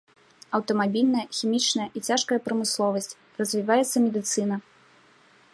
Аўтамабільная, хімічная і цяжкая прамысловасць, развіваецца медыцына.